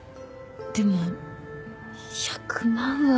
でも１００万は。